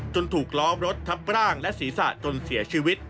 ถูกล้อมรถทับร่างและศีรษะจนเสียชีวิต